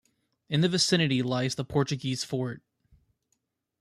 In the vicinity lies the Portuguese Fort.